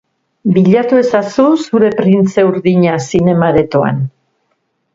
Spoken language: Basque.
Bilatu ezazu zure printze urdina zinema-aretoan.